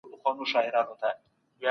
حقایق هغه وخت روښانه کیږي چي سمه تجزیه وسي.